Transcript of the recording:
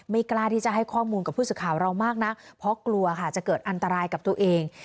กล้าที่จะให้ข้อมูลกับผู้สื่อข่าวเรามากนะเพราะกลัวค่ะจะเกิดอันตรายกับตัวเอง